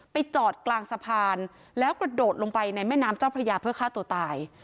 จอดกลางสะพานแล้วกระโดดลงไปในแม่น้ำเจ้าพระยาเพื่อฆ่าตัวตาย